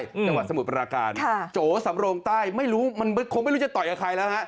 จังหวัดสมุทรปราการโจสำโลงใต้ไม่รู้จะต่อยกับใครแล้ว